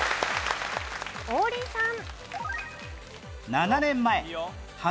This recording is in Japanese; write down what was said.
王林さん。